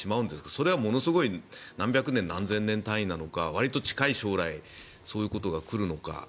それはものすごい何百年、何千年単位なのかわりと近い将来そういうことが来るのか。